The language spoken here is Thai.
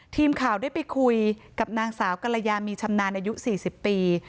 ทีมข่าวได้ไปคุยกับนางสาวกรยามีชำนาญอายุ๔๐ปี